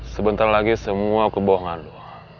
sebentar lagi semua kebohongan